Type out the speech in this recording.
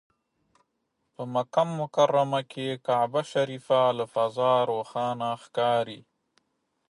په مکه مکرمه کې کعبه شریفه له فضا روښانه ښکاري.